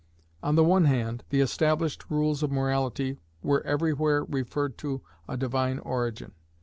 On the one hand, the established rules of morality were everywhere referred to a divine origin.